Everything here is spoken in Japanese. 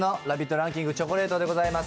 ランキング、チョコレートでございます。